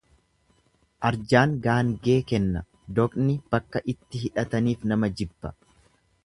Arjaan gaangee kenna, doqni bakka itti hidhataniif nama jibba.